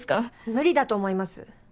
無理だと思います。